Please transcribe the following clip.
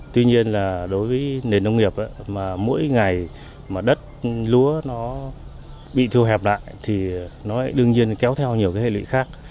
tuy nhiên là đối với nền nông nghiệp mà mỗi ngày mà đất lúa nó bị thua hẹp lại thì nó đương nhiên kéo theo nhiều cái hệ lụy khác